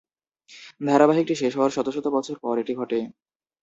ধারাবাহিকটি শেষ হওয়ার শত শত বছর পর এটি ঘটে।